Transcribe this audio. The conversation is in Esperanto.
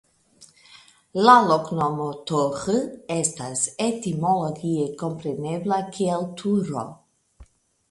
La loknomo "Torre" estas etimologie komprenebla kiel "Turo".